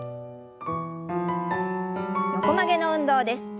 横曲げの運動です。